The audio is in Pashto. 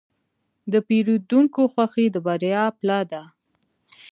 د پیرودونکي خوښي د بریا پله ده.